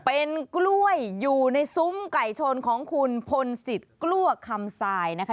เป็นกล้วยอยู่ในซุ้มไก่ชนของคุณพลศิษย์กลัวคำทรายนะคะ